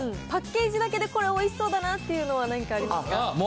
パッケージだけで、これ、おいしそうだなっていうのは何かありますか。